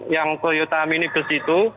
yang ke yota minibus itu